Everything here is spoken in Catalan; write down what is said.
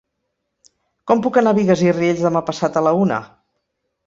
Com puc anar a Bigues i Riells demà passat a la una?